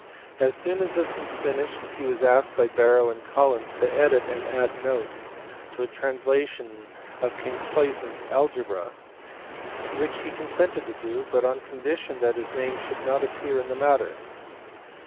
As soon as this was finished he was asked by Barrow and Collins to edit and add notes to a translation of Kinckhuysen s Algebra; which he consented to do, but on condition that his name should not appear iu the matter.